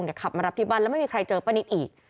ขับมารับที่บ้านแล้วไม่มีใครเจอป้านิตอีก